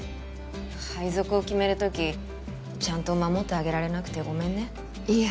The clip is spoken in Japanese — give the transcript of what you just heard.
配属を決める時ちゃんと守ってあげられなくてごめんねいえ